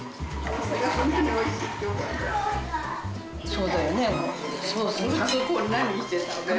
そうだよね。